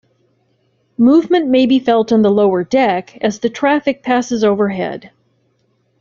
Movement may be felt on the lower deck as the traffic passes overhead.